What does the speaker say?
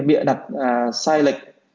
bịa đặt sai lệch